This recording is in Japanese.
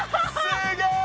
すごい！